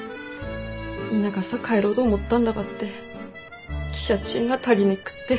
田舎さ帰ろうど思ったんだばって汽車賃が足りなくって。